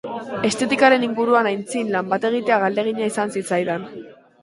Estetikaren inguruan aitzin lan bat egitea galdegina izan zitzaidan.